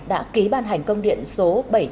đã ký ban hành công điện số bảy trăm sáu mươi